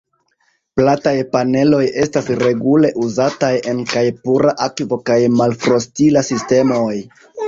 Plataj paneloj estas regule uzataj en kaj pura akvo kaj malfrostila sistemoj.